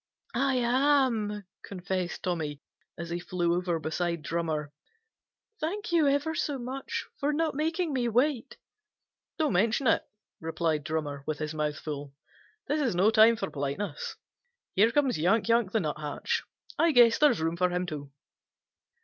"I am," confessed Tommy, as he flew over beside Drummer. "Thank you ever so much for not making me wait." "Don't mention it," replied Drummer, with his mouth full. "This is no time for politeness. Here comes Yank Yank the Nuthatch. I guess there is room for him too."